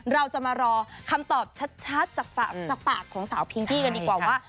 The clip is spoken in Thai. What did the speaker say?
เราจะมารอคำตอบชัดจากปากของสาวพิงกี้กันดีกว่าว่า